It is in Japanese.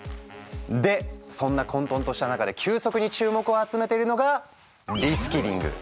でそんな混とんとした中で急速に注目を集めているのがリスキリング。